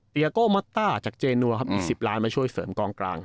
โก้มัตต้าจากเจนัวครับอีก๑๐ล้านมาช่วยเสริมกองกลาง